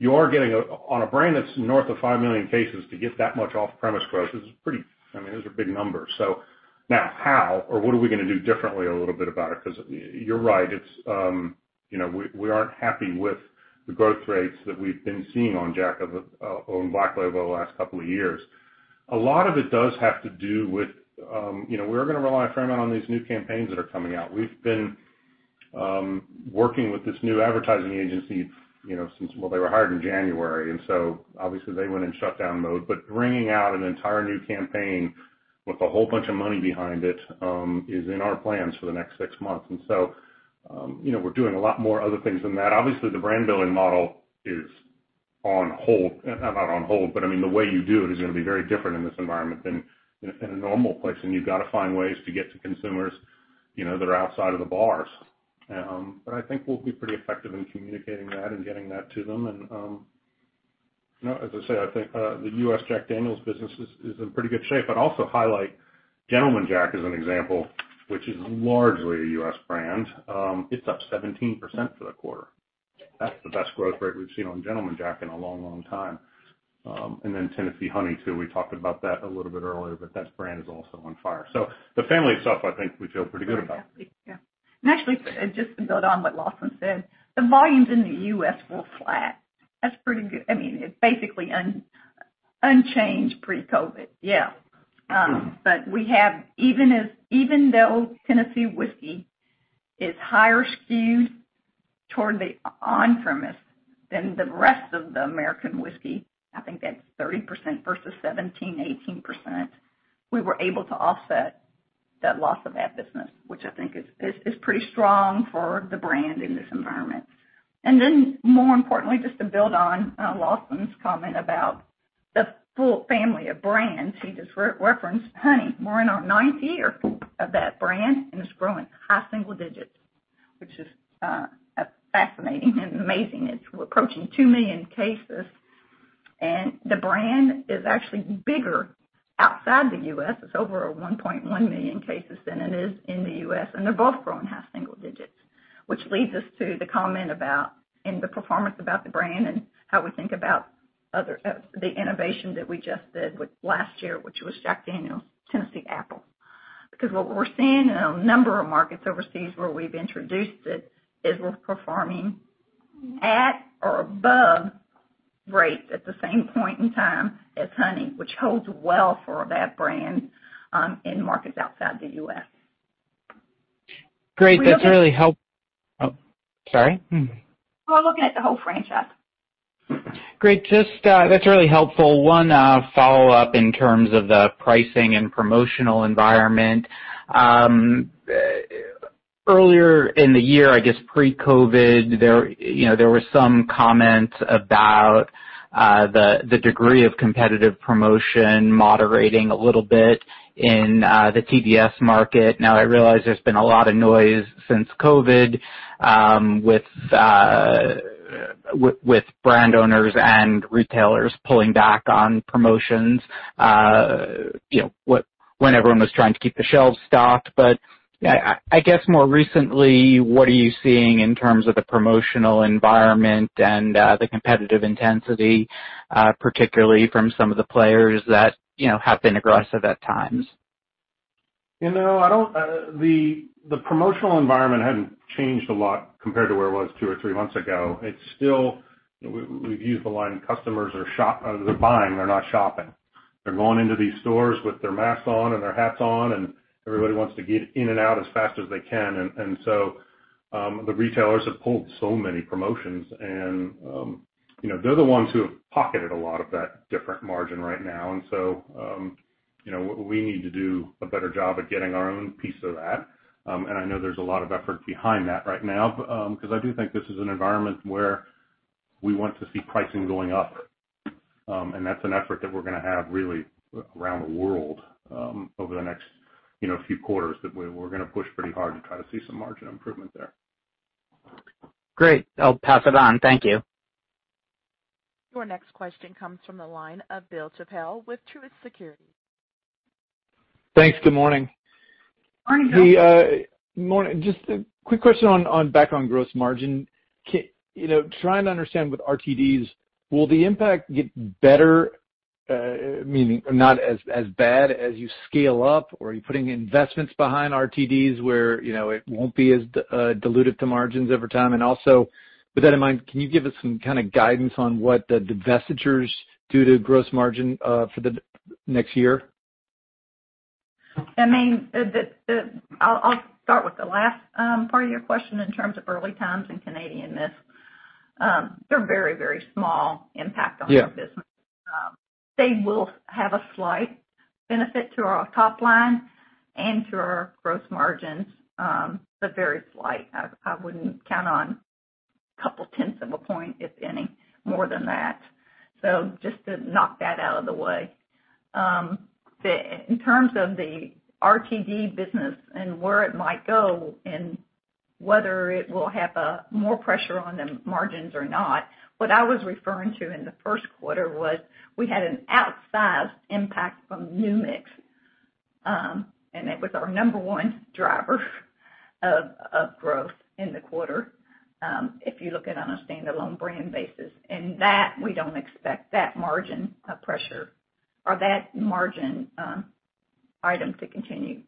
You are getting, on a brand that's north of 5 million cases, to get that much off-premise growth is pretty. Those are big numbers. Now how, or what are we going to do differently a little bit about it? Because you're right. We aren't happy with the growth rates that we've been seeing on Jack on Black Label the last couple of years. A lot of it does have to do with, we're going to rely a fair amount on these new campaigns that are coming out. We've been working with this new advertising agency since, well, they were hired in January. Obviously they went in shutdown mode. Bringing out an entire new campaign with a whole bunch of money behind it is in our plans for the next six months. We're doing a lot more other things than that. Obviously, the brand building model is on hold. Not on hold, but the way you do it is going to be very different in this environment than in a normal place, and you've got to find ways to get to consumers that are outside of the bars. I think we'll be pretty effective in communicating that and getting that to them. As I say, I think the U.S. Jack Daniel's business is in pretty good shape. I'd also highlight Gentleman Jack as an example, which is largely a U.S. brand. It's up 17% for the quarter. That's the best growth rate we've seen on Gentleman Jack in a long, long time. Tennessee Honey too. We talked about that a little bit earlier, that brand is also on fire. The family itself, I think we feel pretty good about. Yeah. Actually, just to build on what Lawson said, the volumes in the U.S. were flat. That's pretty good. It's basically unchanged pre-COVID. Yeah. Even though Tennessee whiskey is higher skewed toward the on-premise than the rest of the American whiskey, I think that's 30% versus 17%-18%, we were able to offset that loss of that business, which I think is pretty strong for the brand in this environment. Then more importantly, just to build on Lawson's comment about the full family of brands. He just referenced Honey. We're in our ninth year of that brand, and it's growing high single digits, which is fascinating and amazing. We're approaching 2 million cases, and the brand is actually bigger outside the U.S. It's over a 1.1 million cases than it is in the U.S., and they're both growing high single digits. Which leads us to the comment about, and the performance about the brand and how we think about the innovation that we just did with last year, which was Jack Daniel's Tennessee Apple. What we're seeing in a number of markets overseas where we've introduced it, is we're performing at or above the same point in time as Honey, which holds well for that brand in markets outside the U.S. Great. Oh, sorry. We're looking at the whole franchise. Great. That's really helpful. One follow-up in terms of the pricing and promotional environment. Earlier in the year, I guess pre-COVID, there were some comments about the degree of competitive promotion moderating a little bit in the TDS market. Now, I realize there's been a lot of noise since COVID with brand owners and retailers pulling back on promotions when everyone was trying to keep the shelves stocked. I guess more recently, what are you seeing in terms of the promotional environment and the competitive intensity, particularly from some of the players that have been aggressive at times? The promotional environment hadn't changed a lot compared to where it was two or three months ago. We've used the line, "Customers are buying, they're not shopping." They're going into these stores with their masks on and their hats on, and everybody wants to get in and out as fast as they can. The retailers have pulled so many promotions and, they're the ones who have pocketed a lot of that different margin right now. We need to do a better job at getting our own piece of that. I know there's a lot of effort behind that right now. Because I do think this is an environment where we want to see pricing going up. That's an effort that we're going to have really around the world, over the next few quarters. We're going to push pretty hard to try to see some margin improvement there. Great. I'll pass it on. Thank you. Your next question comes from the line of Bill Chappell with Truist Securities. Thanks. Good morning. Morning, Bill. Just a quick question back on gross margin. Trying to understand with RTDs, will the impact get better, meaning not as bad as you scale up? Are you putting investments behind RTDs where it won't be as diluted to margins over time? Also, with that in mind, can you give us some kind of guidance on what the divestitures do to gross margin, for the next year? I'll start with the last part of your question in terms of Early Times and Canadian Mist. They're very, very small impact on our business. Yeah. They will have a slight benefit to our top line and to our gross margins. Very slight. I wouldn't count on a couple tenths of a point, if any, more than that. Just to knock that out of the way. In terms of the RTD business and where it might go and whether it will have more pressure on the margins or not, what I was referring to in the first quarter was we had an outsized impact from New Mix, and it was our number one driver of growth in the quarter, if you look at it on a standalone brand basis. That, we don't expect that margin of pressure or that margin item to continue.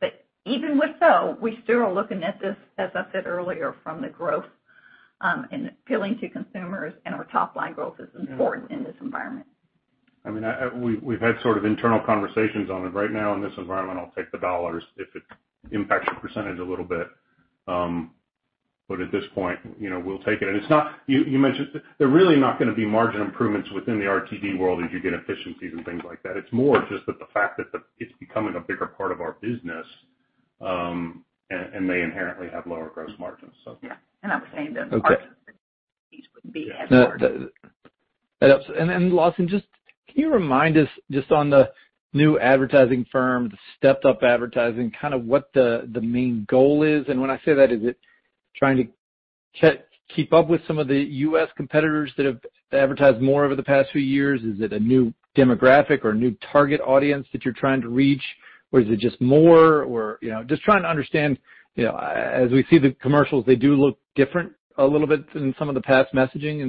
Even with so, we still are looking at this, as I said earlier, from the growth and appealing to consumers and our top-line growth is important in this environment. We've had sort of internal conversations on it. Right now in this environment, I'll take the dollars if it impacts your percentage a little bit. At this point, we'll take it. There are really not going to be margin improvements within the RTD world as you get efficiencies and things like that. It's more just that the fact that it's becoming a bigger part of our business, and may inherently have lower gross margins. Yeah. I was saying those margins wouldn't be as large. Lawson, can you remind us just on the new advertising firm, the stepped-up advertising, what the main goal is? When I say that, is it trying to keep up with some of the U.S. competitors that have advertised more over the past few years? Is it a new demographic or new target audience that you're trying to reach? Or is it just more? Just trying to understand, as we see the commercials, they do look different a little bit than some of the past messaging.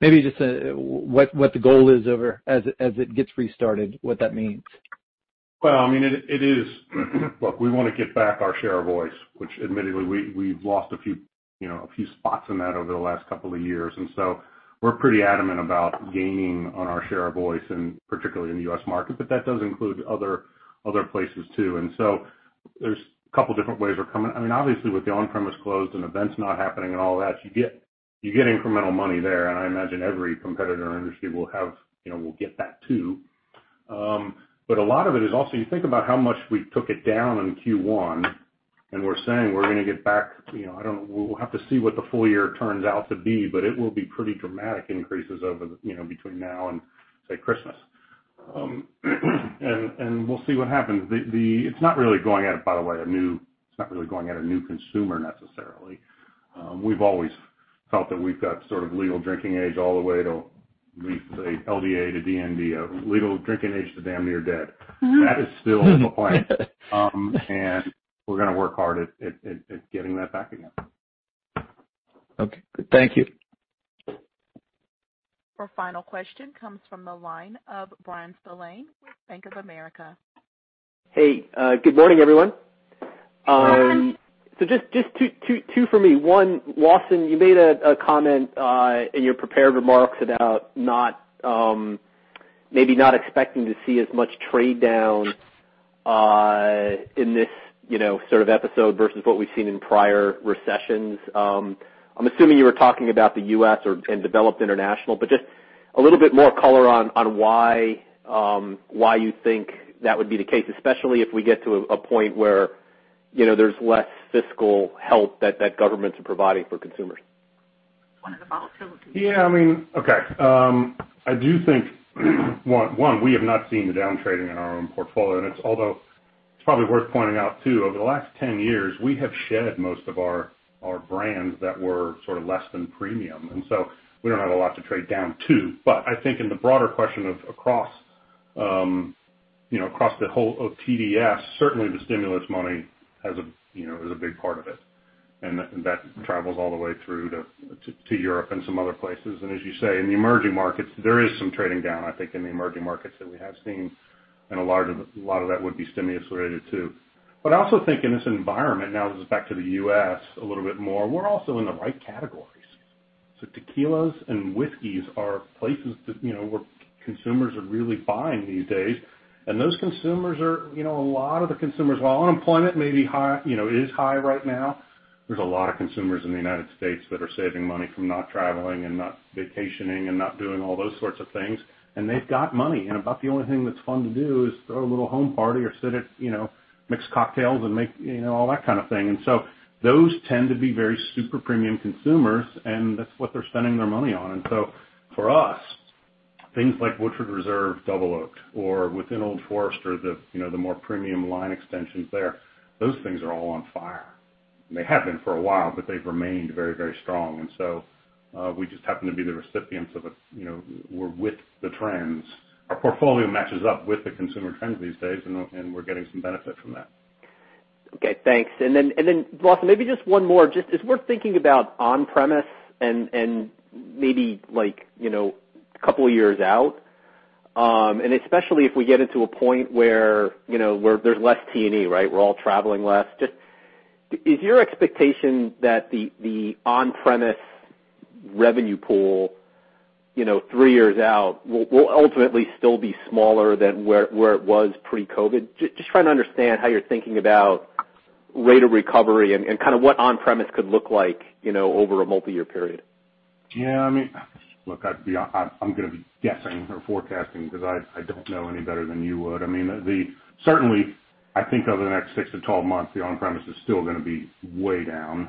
Maybe just what the goal is as it gets restarted, what that means. Well, look, we want to get back our share of voice, which admittedly, we've lost a few spots in that over the last couple of years. So we're pretty adamant about gaining on our share of voice, and particularly in the U.S. market. That does include other places, too. So there's a couple different ways we're coming. Obviously, with the on-premise closed and events not happening and all that, you get incremental money there. A lot of it is also, you think about how much we took it down in Q1, and we're saying we're going to get back. We'll have to see what the full year turns out to be, but it will be pretty dramatic increases between now and, say, Christmas. We'll see what happens. It's not really going at, by the way, a new consumer necessarily. We've always felt that we've got sort of legal drinking age all the way to, we say, LDA to DND, legal drinking age to damn near dead. That is still in play. We're going to work hard at getting that back again. Okay, good. Thank you. Our final question comes from the line of Bryan Spillane with Bank of America. Hey, good morning, everyone. Just two for me. One, Lawson, you made a comment in your prepared remarks about maybe not expecting to see as much trade down in this sort of episode versus what we've seen in prior recessions. I'm assuming you were talking about the U.S. or, and developed international, just a little bit more color on why you think that would be the case, especially if we get to a point where there's less fiscal help that governments are providing for consumers. One of the [volatility]. Yeah. Okay. I do think, one, we have not seen the down trading in our own portfolio, and it's although it's probably worth pointing out too, over the last 10 years, we have shed most of our brands that were sort of less than premium, and so we don't have a lot to trade down to. I think in the broader question of across the whole of TDS, certainly the stimulus money is a big part of it, and that travels all the way through to Europe and some other places. As you say, in the emerging markets, there is some trading down, I think, in the emerging markets that we have seen, and a lot of that would be stimulus-related, too. I also think in this environment now, this is back to the U.S. a little bit more, we're also in the right categories. Tequilas and whiskeys are places where consumers are really buying these days. Those consumers are a lot of the consumers. While unemployment may be high, it is high right now. There's a lot of consumers in the U.S. that are saving money from not traveling and not vacationing and not doing all those sorts of things. They've got money, and about the only thing that's fun to do is throw a little home party or mix cocktails and make all that kind of thing. Those tend to be very super premium consumers, and that's what they're spending their money on. For us, things like Woodford Reserve Double Oaked, or within Old Forester, the more premium line extensions there, those things are all on fire. They have been for a while, but they've remained very, very strong. We just happen to be the recipients of, we're with the trends. Our portfolio matches up with the consumer trends these days, and we're getting some benefit from that. Okay, thanks. Lawson, maybe just one more. Just as we're thinking about on-premise and maybe couple of years out, especially if we get into a point where there's less T&E, right? We're all traveling less. Just, is your expectation that the on-premise revenue pool three years out will ultimately still be smaller than where it was pre-COVID? Just trying to understand how you're thinking about rate of recovery and kind of what on-premise could look like over a multi-year period. Yeah, look, I'm gonna be guessing or forecasting because I don't know any better than you would. Certainly, I think over the next six to 12 months, the on-premise is still gonna be way down,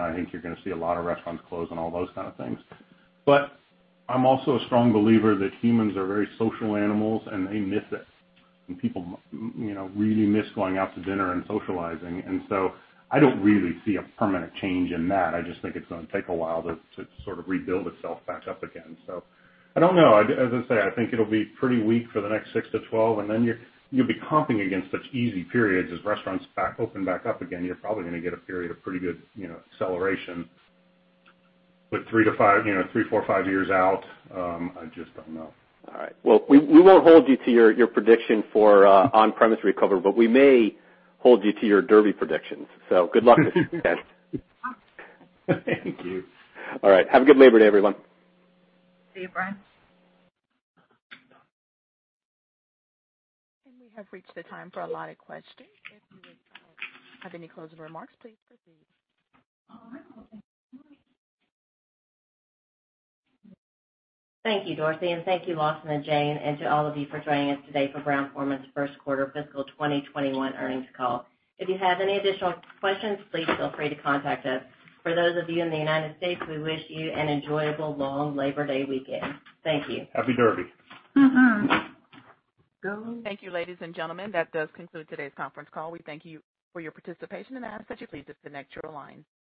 I think you're gonna see a lot of restaurants close and all those kind of things. I'm also a strong believer that humans are very social animals, They miss it. People really miss going out to dinner and socializing. I don't really see a permanent change in that. I just think it's going to take a while to sort of rebuild itself back up again. I don't know. As I say, I think it'll be pretty weak for the next six to 12, Then you'll be comping against such easy periods as restaurants open back up again. You're probably gonna get a period of pretty good acceleration. Three to five, three, four, five years out, I just don't know. All right. Well, we won't hold you to your prediction for on-premise recovery, but we may hold you to your Derby predictions. Good luck with that. Thank you. All right. Have a good Labor Day, everyone. See you, Bryan. We have reached the time for allotted questions. If you have any closing remarks, please proceed. Thank you, Dorothy, and thank you, Lawson and Jane, and to all of you for joining us today for Brown-Forman's first quarter fiscal 2021 earnings call. If you have any additional questions, please feel free to contact us. For those of you in the U.S., we wish you an enjoyable long Labor Day weekend. Thank you. Happy Derby. Thank you, ladies and gentlemen. That does conclude today's conference call. We thank you for your participation and ask that you please disconnect your lines.